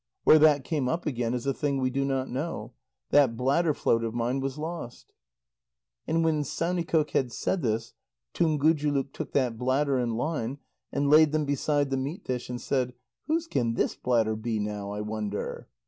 Where that came up again is a thing we do not know. That bladder float of mine was lost." And when Saunikoq had said this, Tungujuluk took that bladder and line and laid them beside the meat dish, and said: "Whose can this bladder be, now, I wonder?